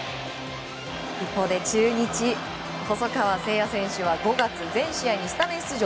一方で中日、細川成也選手は５月、全試合にスタメン出場。